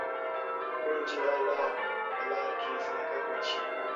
کوم چې د الله په لاره کي صدقه کړل شي .